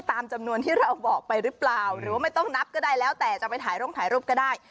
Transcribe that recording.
ตามจำนวนที่เราบอกไปหรือเปล่าหรือว่าไม่ต้องนับก็ได้แล้วแต่จะไปถ่ายร่มถ่ายรูปก็ได้